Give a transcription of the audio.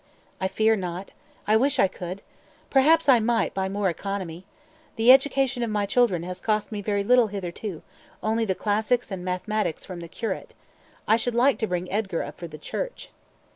"I fear not. I wish I could. Perhaps I might by more economy. The education of my children has cost me very little hitherto, only the classics and mathematics from the curate. I should like to bring Edgar up for the Church."